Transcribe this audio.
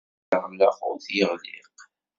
Ula d aɣlaq ur t-yeɣliq.